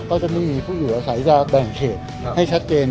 ก็จะมีผู้อยู่อาศัยจะแบ่งเขตให้ชัดเจน